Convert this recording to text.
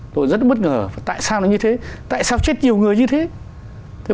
tôi rất là bất ngờ tại sao nó như thế tại sao chết nhiều người như thế